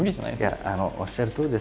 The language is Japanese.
いやおっしゃるとおりです。